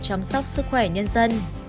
góp sức khỏe nhân dân